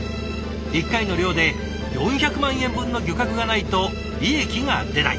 一回の漁で４００万円分の漁獲がないと利益が出ない。